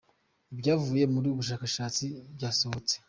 Ibyavuye muri ubu bushakashatsi byasohotse